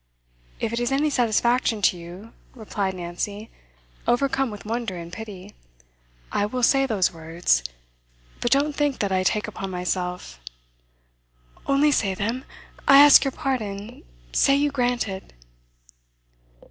'If it is any satisfaction to you,' replied Nancy, overcome with wonder and pity, 'I will say those words. But don't think that I take upon myself ' 'Only say them. I ask your pardon say you grant it.